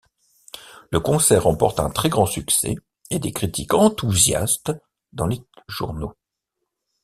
Le concert remporte un très grand succès et des critiques enthousiastes dans les journaux.